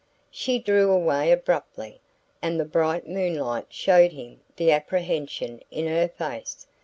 She drew away abruptly, and the bright moonlight showed him the apprehension in her face.